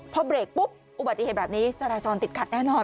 พอเบรกปุ๊บอุบัติเหตุแบบนี้จราจรติดขัดแน่นอน